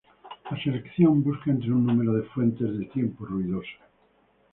La selección busca entre un número de fuentes de tiempo ruidoso.